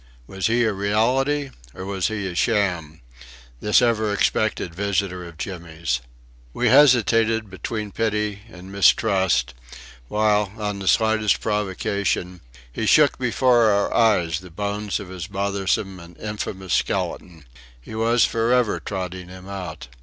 Was he a reality or was he a sham this ever expected visitor of Jimmy's? We hesitated between pity and mistrust, while, on the slightest provocation, he shook before our eyes the bones of his bothersome and infamous skeleton. He was for ever trotting him out.